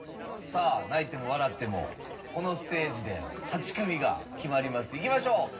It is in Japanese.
さぁ泣いても笑ってもこのステージで８組が決まりますいきましょう。